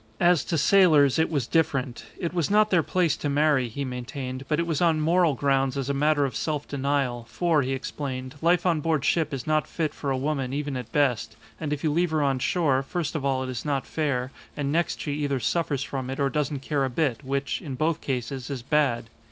As to sailors, it was different; it was not their place to marry, he maintained, but it was on moral grounds as a matter of self denial, for, he explained, life on board ship is not fit for a woman even at best, and if you leave her on shore, first of all it is not fair, and next she either suffers from it or doesn't care a bit, which, in both cases, is bad.